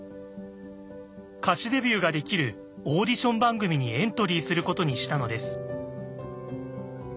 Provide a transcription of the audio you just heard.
歌手デビューができるオーディション番組にエントリーすることにしたのです。